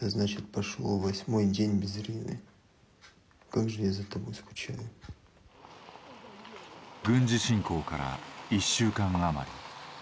軍事侵攻から１週間あまり